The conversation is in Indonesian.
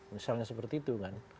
misalnya seperti itu kan